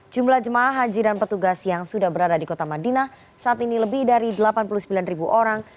jumlah jemaah haji dan petugas yang sudah berada di kota madinah saat ini lebih dari delapan puluh sembilan ribu orang